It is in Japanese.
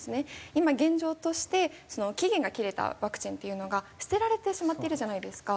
今現状として期限が切れたワクチンっていうのが捨てられてしまっているじゃないですか。